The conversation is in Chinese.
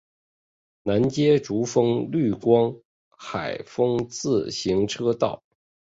南接竹风绿光海风自行车道。